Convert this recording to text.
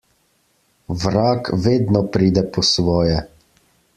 Vrag vedno pride po svoje.